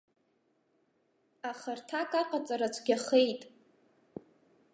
Аха, рҭак аҟаҵара цәгьахеит.